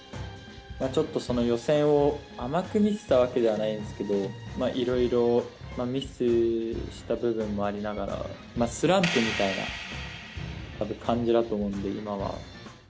ちょっとその予選を甘く見てたわけではないんですけど、いろいろミスした部分もありながら、スランプみたいな感じだと思うんで、今は。